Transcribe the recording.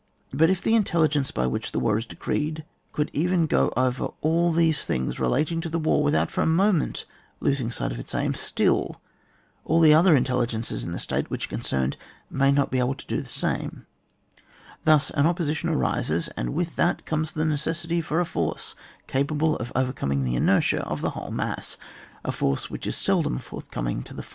But if the intelligence by which the war is decreed, could even go over all these things relating to the war, without for a moment losing sight of its aim, still all the other intelligences in the State which are concerned may not be able to do the same ; thus an oppobition arises, and with that comes the necessity for a force capable of overcoming the inertia of the whole mass— a force which is seldom forthcoming to the fuU.